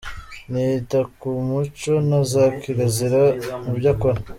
Ntiyita ku muco na za kirazira mu byo akora .